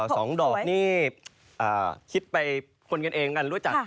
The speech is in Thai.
สองดอกนี่คิดไปคนกันเองกันรู้จัก